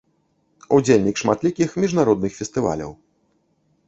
Удзельнік шматлікіх міжнародных фестываляў.